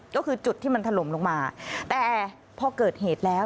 ก็คือจุดที่มันถล่มลงมาแต่พอเกิดเหตุแล้ว